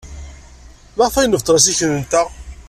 Maɣef ay nebṭel assikel-nteɣ?